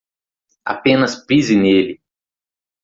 Apenas pise nele.